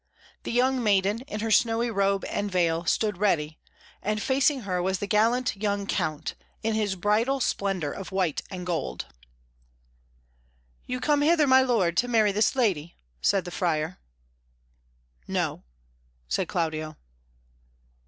The young maiden, in her snowy robe and veil, stood ready, and facing her was the gallant young Count, in his bridal splendour of white and gold. "You come hither, my lord, to marry this lady?" said the Friar. "No," said Claudio.